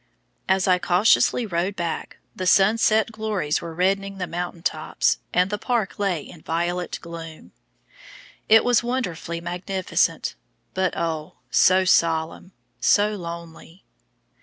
As I cautiously rode back, the sunset glories were reddening the mountain tops, and the park lay in violet gloom. It was wonderfully magnificent, but oh, so solemn, so lonely!